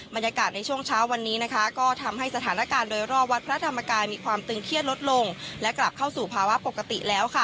บรรยากาศในช่วงเช้าวันนี้นะคะก็ทำให้สถานการณ์โดยรอบวัดพระธรรมกายมีความตึงเครียดลดลงและกลับเข้าสู่ภาวะปกติแล้วค่ะ